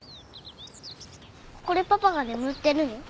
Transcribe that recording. ここでパパが眠ってるの？